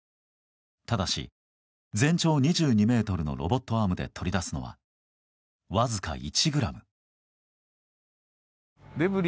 ただし、全長２２ｍのロボットアームで取り出すのは、わずか１ｇ。